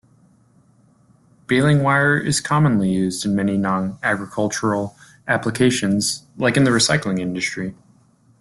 Baling wire is commonly used in many non-agricultural applications like in the recycling industry.